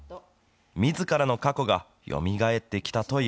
みずからの過去がよみがえってきたという。